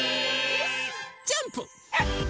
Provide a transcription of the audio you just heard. ジャンプ。